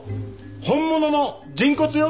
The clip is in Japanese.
本物の人骨よ！